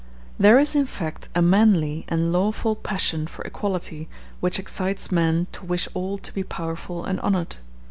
There is, in fact, a manly and lawful passion for equality which excites men to wish all to be powerful and honored.